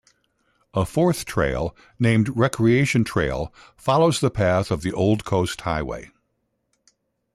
A fourth trail, named Recreation Trail, follows the path of the Old Coast Highway.